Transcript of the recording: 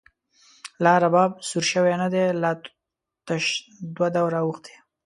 لا رباب سور شوی نه دی، لا تش دوه دوره او ښتی